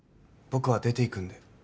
僕は出て行くので。